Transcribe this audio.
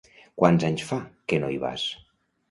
Quants anys fa que no hi vas?